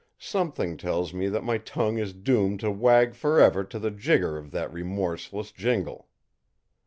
Something tells me that my tongue is doomed to wag forever to the jigger of that remorseless jingle.